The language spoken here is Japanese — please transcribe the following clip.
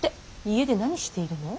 家で何しているの。